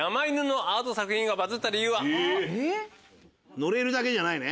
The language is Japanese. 乗れるだけじゃないね。